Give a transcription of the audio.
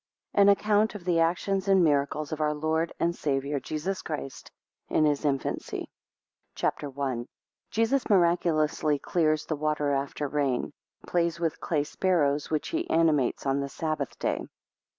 An Account of the ACTIONS and MIRACLES of our Lord and Saviour JESUS CHRIST in his INFANCY. CHAPTER I. 2 Jesus miraculously clears the water after rain. 4 Plays with clay sparrows, which he animates on the Sabbath day.